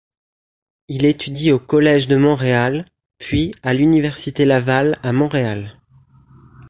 Il étudie au Collège de Montréal puis à l'Université Laval à Montréal.